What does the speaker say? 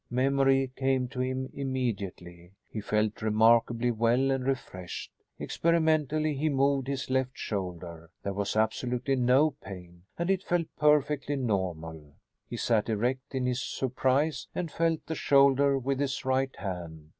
Memory came to him immediately. He felt remarkably well and refreshed. Experimentally he moved his left shoulder. There was absolutely no pain and it felt perfectly normal. He sat erect in his surprise and felt the shoulder with his right hand.